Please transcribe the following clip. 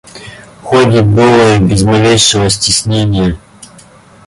Ходит голой без малейшего стеснения.